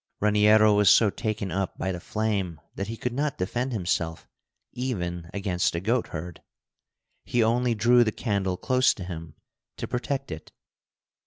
Raniero was so taken up by the flame that he could not defend himself even against a goatherd. He only drew the candle close to him to protect it.